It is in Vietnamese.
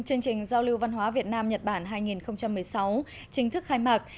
chương trình giao lưu văn hóa việt nam nhật bản hai nghìn một mươi sáu chính thức khai mạc